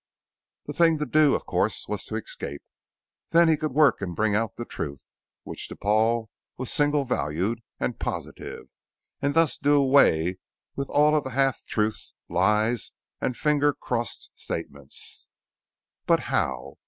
The thing to do, of course, was to escape. Then he could work and bring out the truth which to Paul was single valued and positive and thus do away with all of the half truths, lies, and fingers crossed statements. But how?